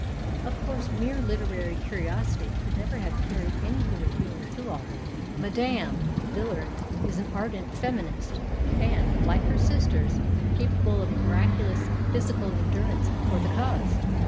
Of course mere literary curiosity could never have carried any human being through all that ; Mme. Villard is an ardent " feminist," and, like her sisters, capalile of miracu lous physical endurance for tlie " cause."